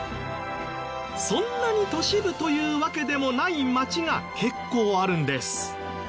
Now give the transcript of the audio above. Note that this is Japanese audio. そんなに都市部というわけでもない町が結構あるんです。